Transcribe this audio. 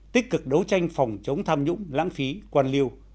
tích cực đấu tranh phòng chống tham nhũng lãng phí quan liêu